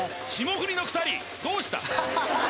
霜降りの２人どうした？